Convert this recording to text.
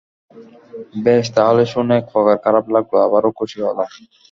বেশ, তাহলে শুনে একপ্রকার খারাপ লাগলো, আবার খুশিও হলাম।